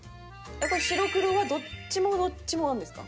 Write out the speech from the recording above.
これ白黒はどっちもどっちもあるんですか？